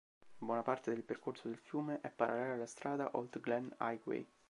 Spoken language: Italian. Buona parte del percorso del fiume è parallelo alla strada "Old Glenn Highway".